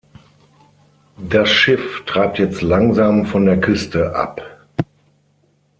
Das Schiff treibt jetzt langsam von der Küste ab.